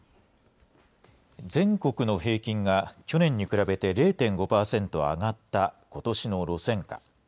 全国の平均が去年に比べて０．５％上がったことしの路線価。